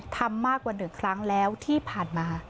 ทำมากกว่า๑ครั้งแล้วที่ผ่านมา